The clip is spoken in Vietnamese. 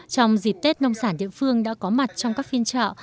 trong dịp tết nông sản địa phương đã có mặt trong các phiên chợ